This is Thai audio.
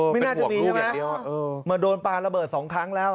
ไม่น่าจะมีใช่ไหมมาโดนปลาระเบิด๒ครั้งแล้ว